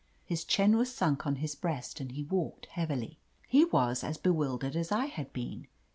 His chin was sunk on his breast, and he walked heavily. He was as bewildered as I had been.